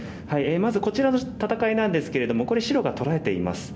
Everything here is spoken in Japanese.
まずこちらの戦いなんですけれどもこれ白が取られています。